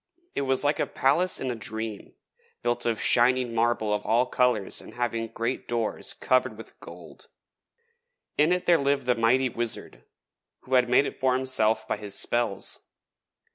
It was like a palace in a dream, built of shining marble of all colours and having great doors covered with gold. In it there lived the mighty Wizard who had made it for himself by his spells.